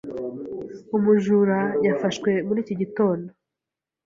Umujura yafashwe muri iki gitondo.